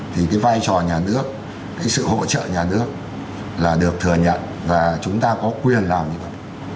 thì cái vai trò nhà nước cái sự hỗ trợ nhà nước là được thừa nhận và chúng ta có quyền làm như vậy